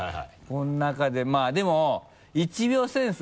このなかでまぁでも「１秒センス」